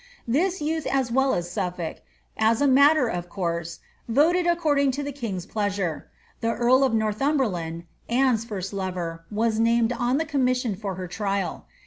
This youth as well as Suflblk, as a matter of course, voted according to the king's pleasure. The earl of Northum ^riand, Anne^s first lover, was named on the commission for her trial.